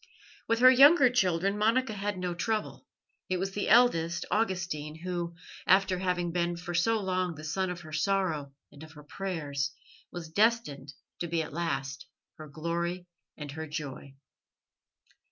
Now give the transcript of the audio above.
With her younger children Monica had no trouble; it was the eldest, Augustine, who, after having been for long the son of her sorrow and of her prayers, was destined to be at last her glory and her joy.